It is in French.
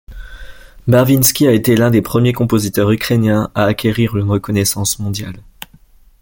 Barvinsky a été l'un des premiers compositeurs ukrainiens à acquérir une reconnaissance mondiale.